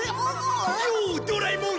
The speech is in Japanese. ようドラえもん！